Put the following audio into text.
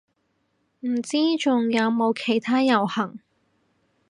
唔知仲有冇其他遊行